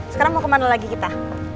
sekarang mau kemana lagi kita